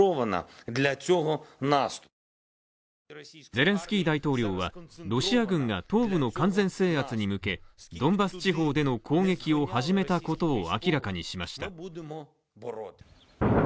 ゼレンスキー大統領は、ロシア軍が東部の完全制圧に向け、ドンバス地方での攻撃を始めたことを明らかにしました。